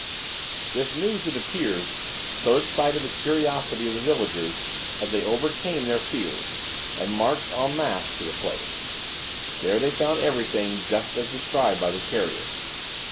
This news, it appears, so excited the curiosity of the villagers, that they overcame their fears, and marched en masse to the place. There, they found everything, just as described by the carrier.